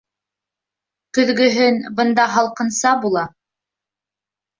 Көҙгөһөн бында һалҡынса була.